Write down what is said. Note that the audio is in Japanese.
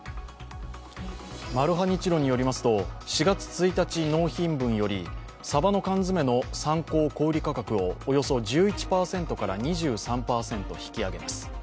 マルハニチロによりますと、４月１日納品分よりさばの缶詰の参考小売価格をおよそ１１％から２３％引き上げます。